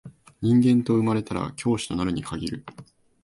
人間と生まれたら教師となるに限る